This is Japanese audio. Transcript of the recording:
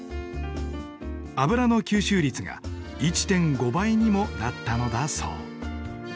脂の吸収率が１．５倍にもなったのだそう。